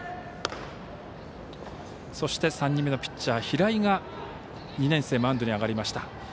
そして３人目のピッチャー平井２年生、マウンドに上がりました。